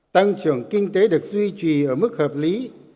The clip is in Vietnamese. tăng trưởng kinh tế được duy trì ở mức hợp lý